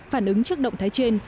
phản ứng trước động thái trên